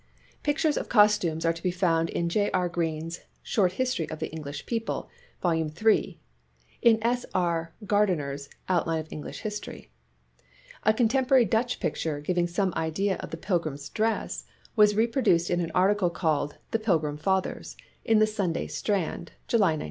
Pictures of costumes are to be found in J. R. Green's " Short History of the English People," vol. iii., in S. R. Gardiner's " Outline of English History. A contemporary Dutch picture, giving some idea of the pilgrims' dress, was reproduced in an article called " The Pilgrim Fathers " in the Sunday Strand, July 1902.